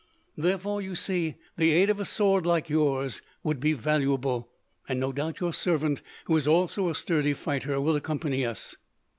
"Therefore, you see, the aid of a sword like yours would be valuable, and no doubt your servant, who is also a sturdy fighter, will accompany us."